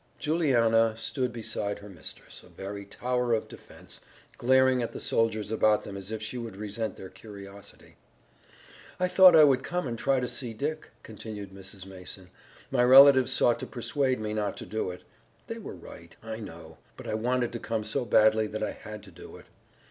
Juliana stood beside her mistress, a very tower of defense, glaring at the soldiers about them as if she would resent their curiosity. "I thought I would come and try to see Dick," continued Mrs. Mason. "My relatives sought to persuade me not to do it. They were right, I know, but I wanted to come so badly that I had to do it.